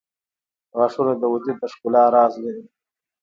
• غاښونه د وجود د ښکلا راز لري.